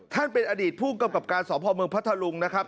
ท่านเป็นอดีตผู้กำกับการสพเมืองพัทธลุงนะครับ